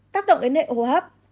tác động đến nệ hô hấp